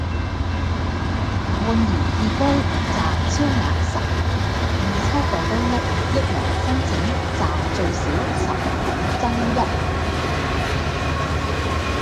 煥然懿居暫超額十倍易抽過居屋一人申請暫最少「十五爭一」